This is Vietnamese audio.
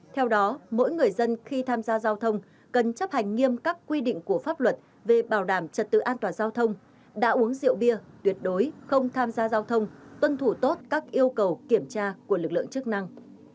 theo đó mỗi người dân khi tham gia giao thông cần chấp hành nghiêm các quy định của pháp luật về bảo đảm trật tự an toàn giao thông đã uống rượu bia tuyệt đối không tham gia giao thông tuân thủ tốt các yêu cầu kiểm tra của lực lượng chức năng